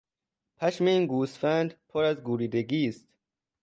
پشم این گوسفندپر از گوریدگی است.